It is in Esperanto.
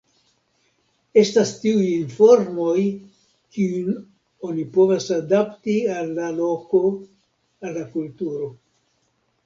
Estas tiuj informoj, kiujn oni povas adapti al la loko, al la kulturo.